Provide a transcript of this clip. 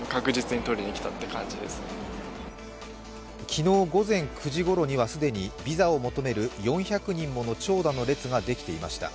昨日、午前９時ごろには既にビザを求める４００人もの長蛇の列ができていました。